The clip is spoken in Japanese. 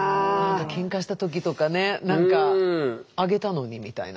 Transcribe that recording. けんかした時とかねなんか「あげたのに」みたいな。